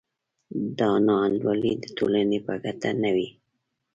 دا نا انډولي د ټولنې په ګټه نه وي.